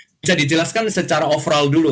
bisa dijelaskan secara overall dulu